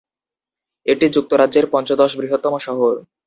এটি যুক্তরাজ্যের পঞ্চদশ বৃহত্তম শহর।